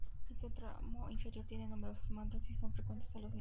En su tramo inferior, tiene numerosos meandros y son frecuentes las inundaciones.